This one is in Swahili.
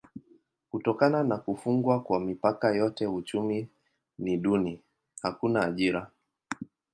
Kutokana na kufungwa kwa mipaka yote uchumi ni duni: hakuna ajira.